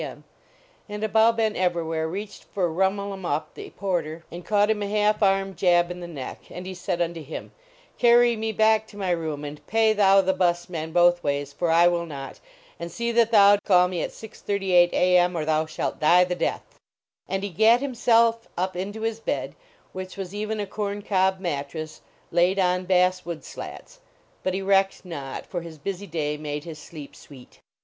M . And Abou Ben Evrawhair reached for Rhumul em Uhp the Porter and caught him a half arm jab in the neck, and he said unto him : Carry me back to my room and pay thou the bus man both ways, for I will not. And see that thou call me at 6: 38 A. M. or thou shalt die the death." And he gat himself up into his bed, which was even a corn cob mattress laid on bass wood slats, but he recked not, for his busy day made his sleep sweet.